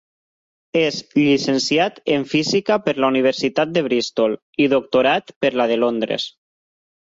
És llicenciat en Física per la Universitat de Bristol i doctorat per la de Londres.